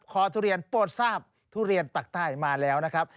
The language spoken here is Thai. ทุเรียนโปรดทราบทุเรียนปากใต้มาแล้วนะครับ